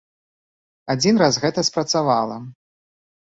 Адзін раз гэта спрацавала.